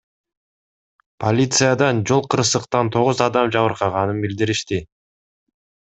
Полициядан жол кырсыктан тогуз адам жабыркаганын билдиришти.